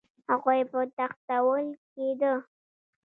هغوی به تښتول کېده